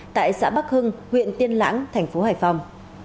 tại xã bắc hưng huyện tiên lãng thành phố hải phòng